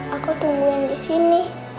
aku tungguin disini